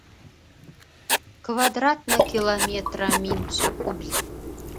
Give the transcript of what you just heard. Квадратнэ километрэ мин пшӏыкӏубл.